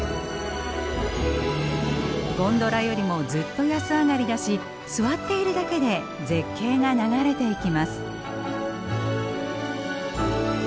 ゴンドラよりもずっと安上がりだし座っているだけで絶景が流れていきます。